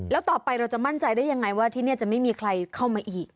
แล้วต่อไปเราจะมั่นใจได้ยังไงว่าที่นี่จะไม่มีใครเข้ามาอีก